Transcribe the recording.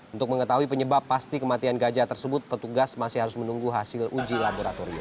untuk mengetahui penyebab pasti kematian gajah tersebut petugas masih harus menunggu hasil uji laboratorium